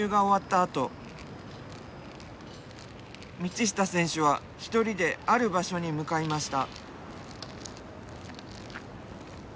あと道下選手は一人である場所に向かいました。